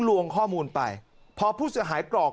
ลวงข้อมูลไปพอผู้เสียหายกรอก